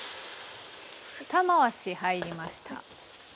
ふた回し入りました。